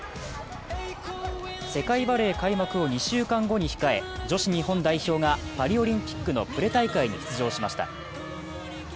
世界バレー開幕を２週間後に控え女子日本代表がパリオリンピックのプレ大会に出場しました。